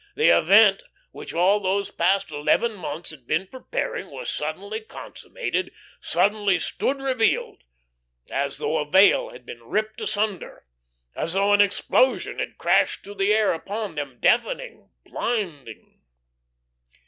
The event which all those past eleven months had been preparing was suddenly consummated, suddenly stood revealed, as though a veil had been ripped asunder, as though an explosion had crashed through the air upon them, deafening, blinding.